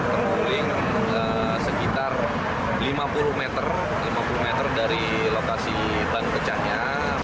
terguling sekitar lima puluh meter dari lokasi ban pecahnya